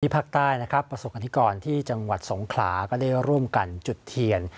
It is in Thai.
ภาคใต้นะครับประสบกรณิกรที่จังหวัดสงขลาก็ได้ร่วมกันจุดเทียน